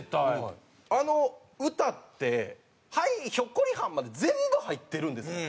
あの歌って「はいひょっこりはん」まで全部入ってるんです。